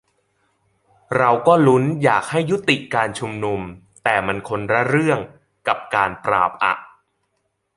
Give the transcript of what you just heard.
"เราก็ลุ้นอยากให้ยุติการชุมนุม แต่มันคนละเรื่องกับการปราบอะ"